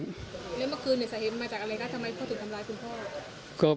แล้วเมื่อคืนในสายเห็นมาจากอะไรครับทำไมพ่อถูกทำร้ายคุณพ่อ